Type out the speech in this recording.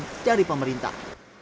kesehatan dari pemerintah